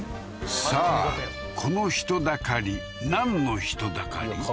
さあこの人だかりなんの人だかり？